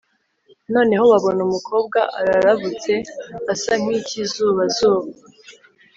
noneho babona umukobwa ararabutse asa n'ikizubazuba